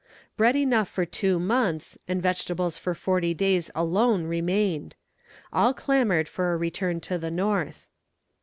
Bread enough for two months, and vegetables for forty days alone remained. All clamoured for a return to the north.